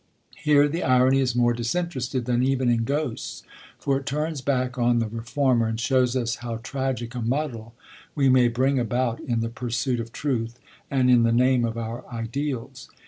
Here the irony is more disinterested than even in Ghosts, for it turns back on the reformer and shows us how tragic a muddle we may bring about in the pursuit of truth and in the name of our ideals.